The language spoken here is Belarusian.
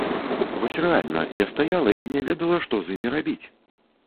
Вось рэальна, я стаяла і не ведала, што з імі рабіць.